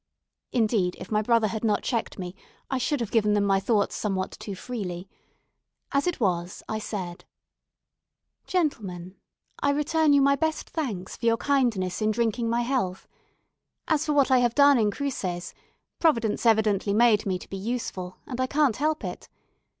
Indeed, if my brother had not checked me, I should have given them my thoughts somewhat too freely. As it was, I said: "Gentlemen, I return you my best thanks for your kindness in drinking my health. As for what I have done in Cruces, Providence evidently made me to be useful, and I can't help it.